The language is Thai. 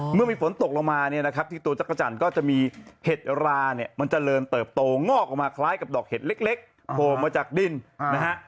เมื่อมีฝนตกลงมาเนี่ยนะครับที่ตัวจักรจันทร์ก็จะมีเห็ดราเนี่ยมันเจริญเติบโตงอกออกมาคล้ายกับดอกเห็ดเล็กโผล่มาจากดินนะฮะ